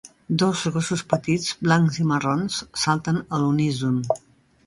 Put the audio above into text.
Dos gossos petits blancs i marrons salten a l'uníson.